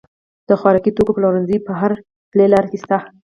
د خوراکي توکو پلورنځي په هر پلې لار کې شته.